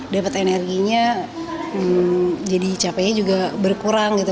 dapat energinya jadi capeknya juga berkurang gitu